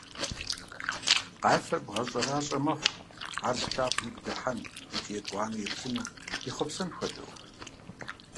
Къафэр бгъэщӀэращӀэ мэхъу, ар зылъагъум игу дыхьэн икӀи етӀуанэу еплъыну ехъуэпсэн хуэдэу.